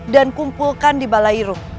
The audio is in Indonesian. dan kumpulkan di balai ruang